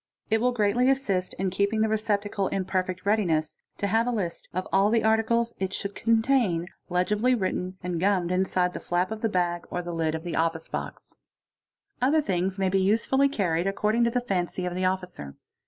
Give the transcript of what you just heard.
.; It will greatly assist in keeping the receptacle in perfect readiness. have a list of all the articles it should contain legibly written and gum n inside the flap of the bag or the lid of the office box. ¢ TRANSIT 147 Other things may be usefully carried according to the fancy of the officer.